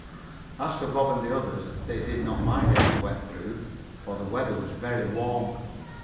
As for Bob and the others, they did not mind getting wet through, for the weather was very warm.